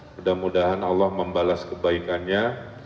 mudah mudahan allah membalas kebaikannya